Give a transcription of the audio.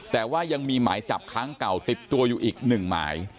แต่ว่ายังมีหมายจับค้างเก่าติดตัวอยู่อีกหนึ่งหมาย